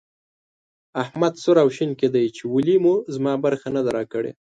احمد سور او شين کېدی چې ولې مو زما برخه نه ده راکړې.